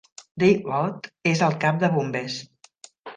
Dave Ott és el cap de bombers.